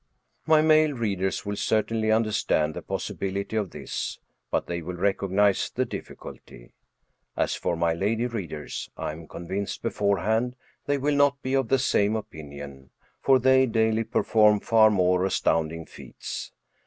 My male readers will certainly understand the possibil ity of this, but they will recognize the difficulty. As for my lady readers, I am convinced beforehand they will not be of the same opinion, for they daily perform far more astounding feats.